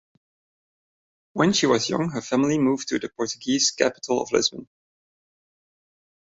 When she was young her family moved to the Portuguese capital of Lisbon.